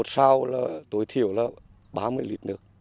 một sao tối thiểu là ba mươi lít nước